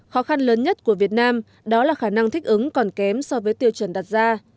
khó khăn lớn nhất của việt nam đó là khả năng thích ứng còn kém so với tiêu chuẩn đặt ra